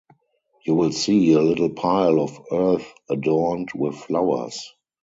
You will see a little pile of earth adorned with flowers.